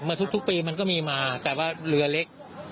ทุกปีมันก็มีมาแต่ว่าเรือเล็ก